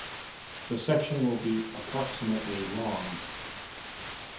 The section will be approximately long.